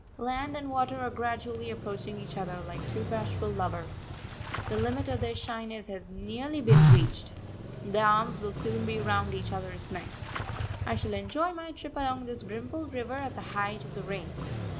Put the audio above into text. Land and water are gradually approaching each other like two bashful lovers. The limit of their shyness has nearly been reached their arms will soon be round each other's necks. I shall enjoy my trip along this brimful river at the height of the rains.